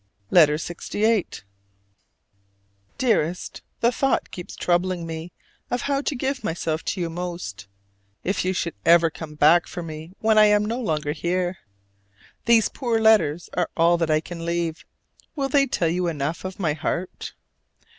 LETTER LXVIII. Dearest: The thought keeps troubling me how to give myself to you most, if you should ever come back for me when I am no longer here. These poor letters are all that I can leave: will they tell you enough of my heart?